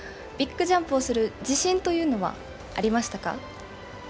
ビッグジャンプをする自信というのはありましたか？